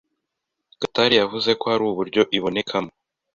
Gatare yavuze ko hari uburyo ibonekamo